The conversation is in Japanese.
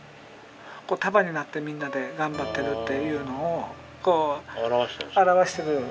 これ束になってみんなで頑張ってるっていうのを表してる。